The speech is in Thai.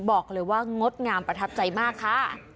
บอกเลยว่างดงามประทับใจมากค่ะ